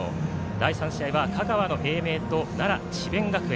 第３試合は香川の英明と奈良の智弁学園。